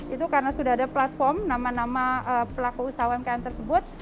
itu karena sudah ada platform nama nama pelaku usaha umkm tersebut